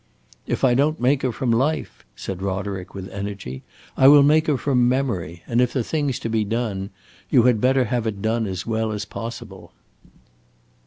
"If I don't make her from life," said Roderick, with energy, "I will make her from memory, and if the thing 's to be done, you had better have it done as well as possible."